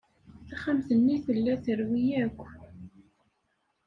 Taxxamt-nni tella terwi akk.